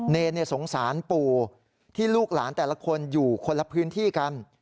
เนรสงสารปู่ที่ลูกหลานแต่ละคนอยู่คนละพื้นที่กัน